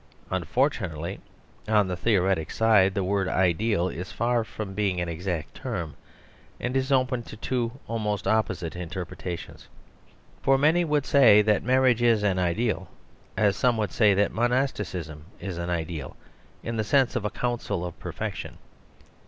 Unfortunately, on the theoretic side, the word "ideal" is far from being an exact term, and is open to two almost opposite interpretations. For many would say that marriage is an ideal as some would say that monasticism is an ideal, in the sense of a council of perfection.